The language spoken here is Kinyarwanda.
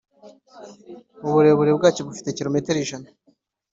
Uburebure bwacyo bufite kirometero ijana